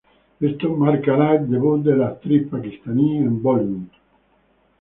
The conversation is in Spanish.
Esto marcará el debut de la actriz paquistaní en Bollywood.